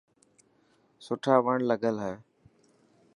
سوٺا وڻ لگل هي.